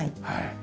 はい。